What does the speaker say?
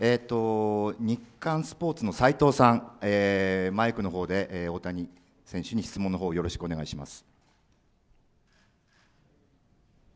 日刊スポーツのさいとうさん、マイクのほうで大谷選手に質問のほうをよろしくお願いします。